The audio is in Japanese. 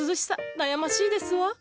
悩ましいですわ。